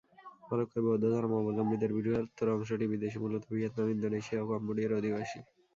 মরক্কোয় বৌদ্ধ ধর্মাবলম্বীদের বৃহত্তর অংশটি বিদেশী, মূলত ভিয়েতনাম, ইন্দোনেশিয়া ও কম্বোডিয়ার অধিবাসী।